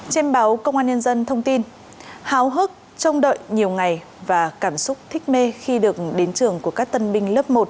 trên báo công an nhân dân thông tin háo hức trông đợi nhiều ngày và cảm xúc thích mê khi được đến trường của các tân binh lớp một